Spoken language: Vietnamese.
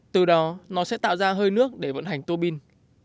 từ đó nó sẽ tạo ra hơi nước để vận hành tô bin